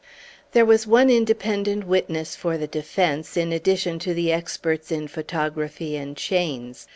There was one independent witness for the defence, in addition to the experts in photography and chains.